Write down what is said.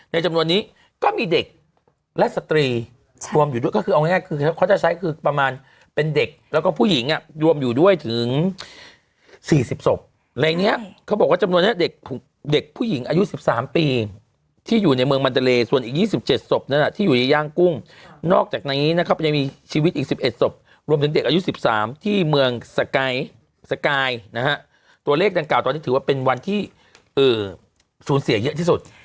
ตัวเลขดังกล่าวตอนนี้ถือว่าเป็นวันที่สูญเสียเยอะที่สุด